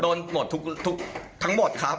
โดนหมดทั้งหมดครับ